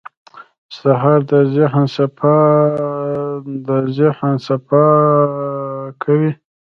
سهار د ذهن صفا کوي.